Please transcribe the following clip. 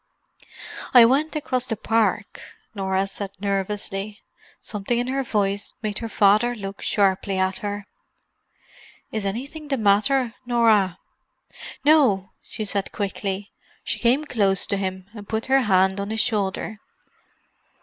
"I went across the park," Norah said nervously. Something in her voice made her father look sharply at her. "Is anything the matter, Norah?" "No," she said quickly. She came close to him and put her hand on his shoulder.